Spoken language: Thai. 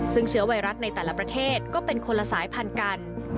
ซึ่งเชื้อไวรัสในแต่ละประเทศก็เป็นคนละสายพันธุ์กัน